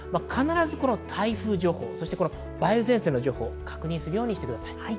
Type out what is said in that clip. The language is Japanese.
台風情報、梅雨前線の情報を必ず確認するようにしてください。